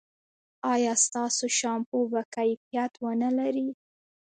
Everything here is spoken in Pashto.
ایا ستاسو شامپو به کیفیت و نه لري؟